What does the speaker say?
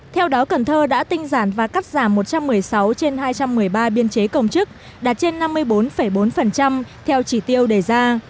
theo đó cần thơ đã tinh giản và cắt giảm một trăm một mươi sáu trên hai trăm một mươi ba biên chế công chức đạt trên năm mươi bốn bốn theo chỉ tiêu đề ra